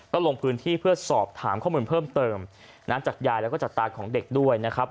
ก็ลงพื้นที่เพื่อสอบถามข้อมูลเพิ่มเติมจากยายแล้วก็จากตาของเด็กด้วยนะครับ